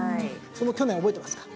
去年覚えてますか？